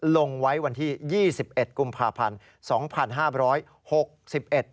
ลงไว้วันที่๒๑กุมภาพันธ์๒๕๖๑